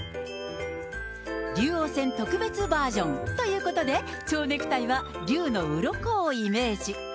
竜王戦特別バージョンということで、蝶ネクタイは龍のうろこをイメージ。